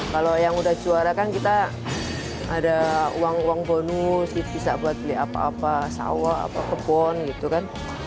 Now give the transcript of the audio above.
kalau yang udah juara kan kita ada uang uang bonus bisa buat beli apa apa sawo kebun gitu kan